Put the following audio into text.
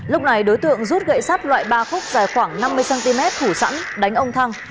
lúc này đối tượng rút gậy sắt loại ba khúc dài khoảng năm mươi cm thủ sẵn đánh ông thăng